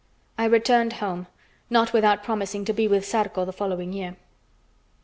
I returned home, not without promising to be with Zarco the following year.